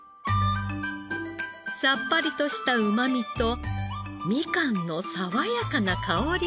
さっぱりとしたうまみとみかんの爽やかな香りが特長。